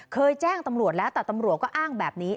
เคยแจ้งตำรวจแล้วแต่ตำรวจก็อ้างแบบนี้